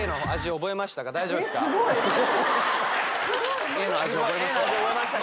覚えましたね